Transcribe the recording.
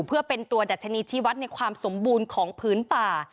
เพื่อเป็นตัวดัชนีชีวัตรในความสมบูรณ์ของพื้นป่า